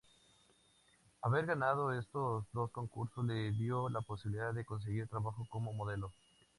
Haber ganado estos dos concursos le dio la posibilidad de conseguir trabajo como modelo.